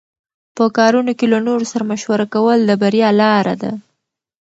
په کارونو کې له نورو سره مشوره کول د بریا لاره ده.